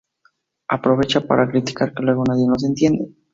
Aprovecha para criticar que luego nadie los entiende.